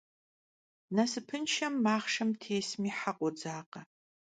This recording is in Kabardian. Nasıpınşşem maxhşşem têsmi he khodzakhe.